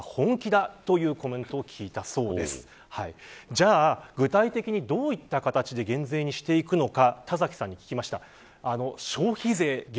じゃあ具体的に、どういった形で減税にしていくのか。